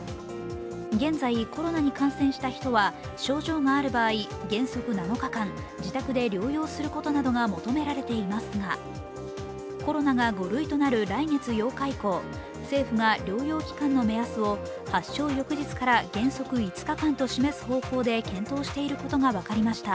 現在、コロナに感染した人は症状がある場合、原則７日間自宅で療養することなどが求められていますがコロナが５類となる来月８日以降、政府が療養期間の目安を発症翌日から原則５日間と示す方向で検討していることが分かりました。